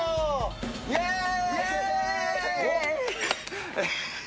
イエーイ！